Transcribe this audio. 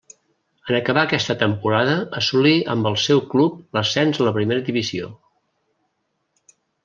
En acabar aquesta temporada assolí amb el seu club l'ascens a la primera divisió.